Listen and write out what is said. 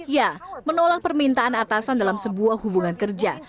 ia menolak permintaan atasan dalam sebuah hubungan kerja